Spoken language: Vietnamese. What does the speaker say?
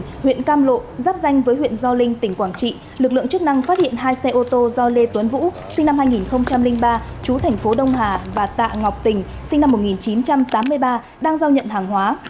tại huyện cam lộ giáp danh với huyện gio linh tỉnh quảng trị lực lượng chức năng phát hiện hai xe ô tô do lê tuấn vũ sinh năm hai nghìn ba chú thành phố đông hà và tạ ngọc tỉnh sinh năm một nghìn chín trăm tám mươi ba đang giao nhận hàng hóa